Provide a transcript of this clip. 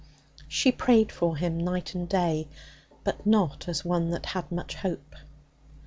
She prayed for him night and day, but not as one that had much hope.